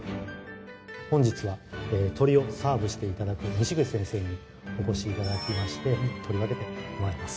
本日は鶏をサーブして頂く西口先生にお越し頂きまして取り分けてもらいます